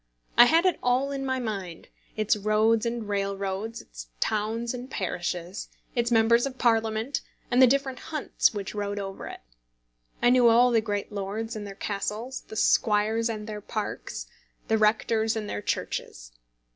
I had it all in my mind, its roads and railroads, its towns and parishes, its members of Parliament, and the different hunts which rode over it. I knew all the great lords and their castles, the squires and their parks, the rectors and their churches.